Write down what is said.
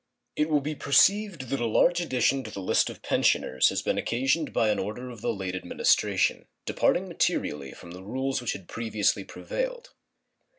It will be perceived that a large addition to the list of pensioners has been occasioned by an order of the late Administration, departing materially from the rules which had previously prevailed.